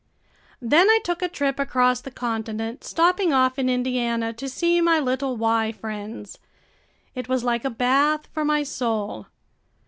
Then I took a trip across the continent, stopping off in Indiana to see my little Y friends. It was like a bath for my soul.